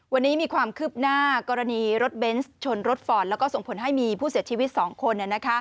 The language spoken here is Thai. วันนี้มีความคืบหน้ากรณีรถเบนส์ชนรถฟอร์ดแล้วก็ส่งผลให้มีผู้เสียชีวิต๒คน